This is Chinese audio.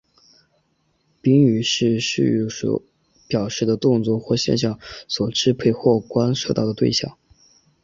宾语是述语所表示的动作或现象所支配或关涉到的对象。